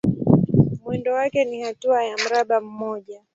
Mwendo wake ni hatua ya mraba mmoja.